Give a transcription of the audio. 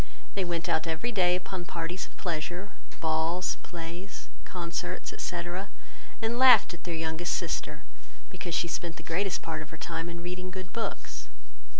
They went out every day upon parties of pleasure, balls, plays, concerts, etc. and laughed at their youngest sister, because she spent the greatest part of her time in reading good books.